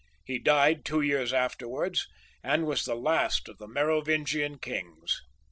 He died two years afterwards, and was the last of the Merovingian kings.